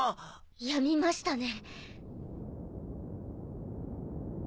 やみましたね。